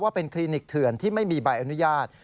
เป็นคลินิกเถื่อนที่ไม่มีใบอนุญาต